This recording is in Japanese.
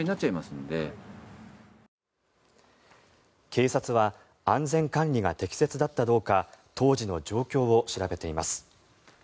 警察は安全管理が適切だったかどうか当時の状況を調べています。